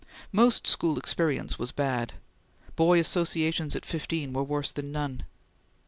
Most school experience was bad. Boy associations at fifteen were worse than none.